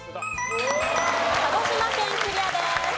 鹿児島県クリアです。